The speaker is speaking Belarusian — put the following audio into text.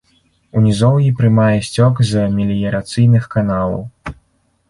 У нізоўі прымае сцёк з меліярацыйных каналаў.